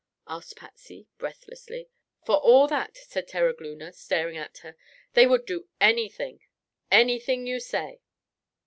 asked Patsy breathlessly. "For all that," said Terogloona, staring at her, "they would do anything; anything you say."